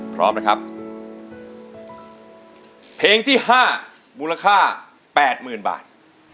พร้อมนะครับเพลงที่ห้ามูลค่าแปดหมื่นบาท